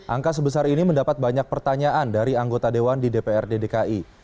angka sebesar ini mendapat banyak pertanyaan dari anggota dewan di dprd dki